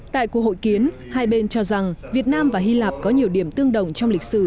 tại cuộc hội kiến hai bên cho rằng việt nam và hy lạp có nhiều điểm tương đồng trong lịch sử